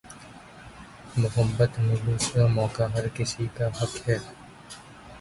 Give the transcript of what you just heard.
محبت میں دوسرا موقع ہر کسی کا حق ہے